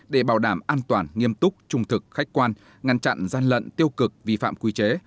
để bảo đảm an toàn nghiêm túc trung thực khách quan ngăn chặn gian lận tiêu cực vi phạm quy chế